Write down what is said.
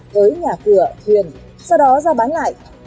với nhà cửa thuyền sau đó ra bán lại